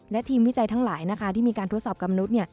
และทีมวิจัยทั้งหลายนะคะที่มีการทดสอบกำนุษย์